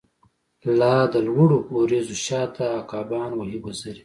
لادلوړو وریځو شاته، عقابان وهی وزری